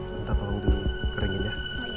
minta tolong dikeringin ya